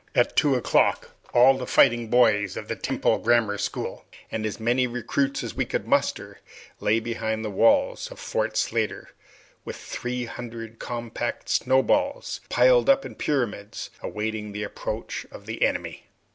At two o'clock all the fighting boys of the Temple Grammar School, and as many recruits as we could muster, lay behind the walls of Fort Slatter, with three hundred compact snowballs piled up in pyramids, awaiting the approach of the enemy.